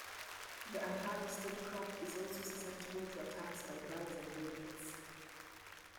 The unharvested crop is also susceptible to attack by birds and rodents.